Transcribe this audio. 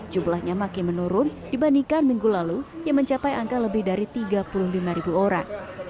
jumlahnya makin menurun dibandingkan minggu lalu yang mencapai angka lebih dari tiga puluh lima ribu orang